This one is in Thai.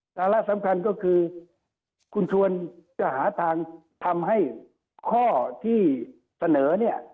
สาระสำคัญก็คือคุณชวนจะหาทางทำให้ข้อที่เสนอเนี่ย